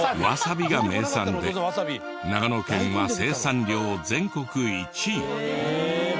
ワサビが名産で長野県は生産量全国１位。